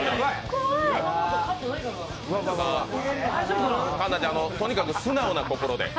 怖い！環奈ちゃん、とにかく素直な心で。